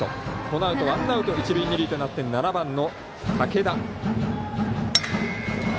このあとワンアウト一塁二塁となって７番の武田。